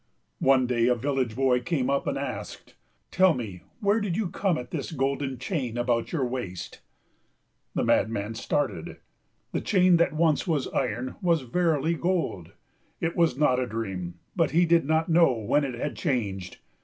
One day a village boy came up and asked, "Tell me, where did you come at this golden chain about your waist?" The madman started the chain that once was iron was verily gold; it was not a dream, but he did not know when it had changed.